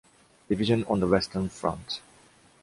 Division on the Western front.